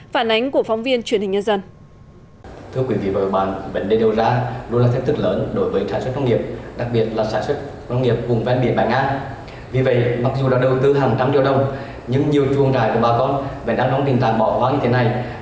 phản ánh của phóng viên truyền hình nhân dân